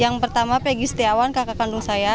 yang pertama peggy setiawan kakak kandung saya